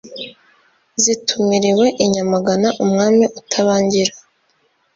Zitumiriwe i NyamaganaUmwami utabangira